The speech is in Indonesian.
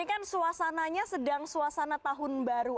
ini kan suasananya sedang suasana tahun baru